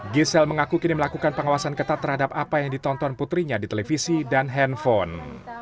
giselle mengaku kini melakukan pengawasan ketat terhadap apa yang ditonton putrinya di televisi dan handphone